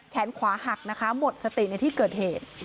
แขนขวาหักนะคะหมดสติในที่เกิดเหตุ